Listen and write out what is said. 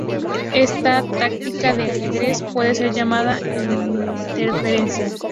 Esa táctica del ajedrez puede ser llamada interferencia.